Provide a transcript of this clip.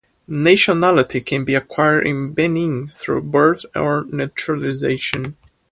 Nationality can be acquired in Benin through birth or naturalization.